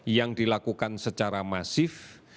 yang dilakukan secara masif